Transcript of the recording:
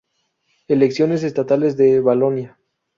Elecciones estatales de Valonia